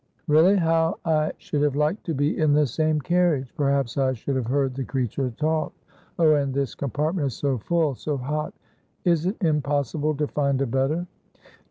"Really? How I should have liked to be in the same carriage. Perhaps I should have heard the creature talk. Oh, and this compartment is so full, so hot! Is it impossible to find a better?"